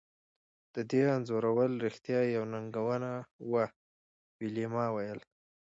د دې انځورول رښتیا یوه ننګونه وه ویلما وویل